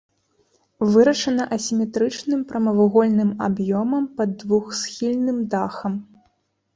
Вырашана асіметрычным прамавугольным аб'ёмам пад двухсхільным дахам.